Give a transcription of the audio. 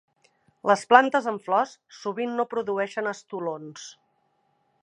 Les plantes amb flors sovint no produeixen estolons.